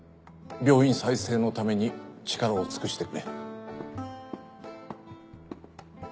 病院再生のために力を尽くしてくれ。